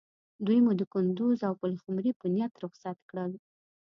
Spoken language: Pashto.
دوی مو د کندوز او پلخمري په نیت رخصت کړل.